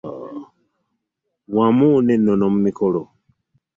Wamu n'Ennono mu mikolo